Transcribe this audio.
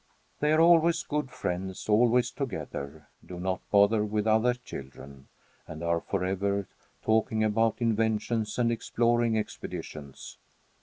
They are always good friends, always together, do not bother with other children, and are forever talking about inventions and exploring expeditions.